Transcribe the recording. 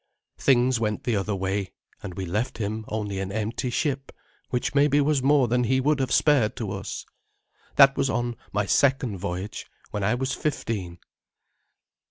Things went the other way, and we left him only an empty ship, which maybe was more than he would have spared to us. That was on my second voyage, when I was fifteen.